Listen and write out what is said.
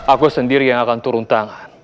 aku sendiri yang akan turun tangan